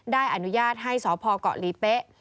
ได้อนุญาตให้สพเกาะลีเป๊ะ